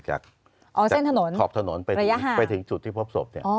จากอ๋อเส้นถนนขอบถนนระยะห่างไปถึงจุดที่พบศพเนี่ยอ๋อ